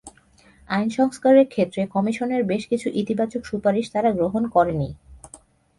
আইন সংস্কারের ক্ষেত্রে কমিশনের বেশ কিছু ইতিবাচক সুপারিশ তারা গ্রহণ করেনি।